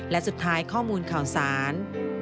และสุดท้ายข้อมูลข่าวสาร